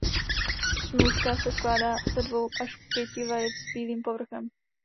Snůška se skládá ze dvou až pěti vajec s bílým povrchem.